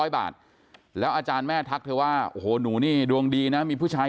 ๐บาทแล้วอาจารย์แม่ทักเธอว่าโอ้โหหนูนี่ดวงดีนะมีผู้ชาย